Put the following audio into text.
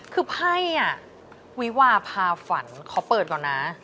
คือพ่ายนี้วิวาภาษ์ฝันขอเปิดก่อนนะ